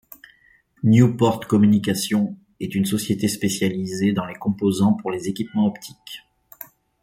NewPort Communications est une société spécialisée dans les composants pour les équipements optiques.